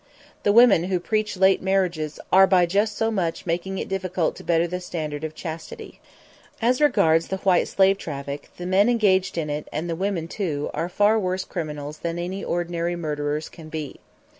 The women who preach late marriages are by just so much making it difficult to better the standard of chastity. As regards the white slave traffic, the men engaged in it, and the women too, are far worse criminals than any ordinary murderers can be.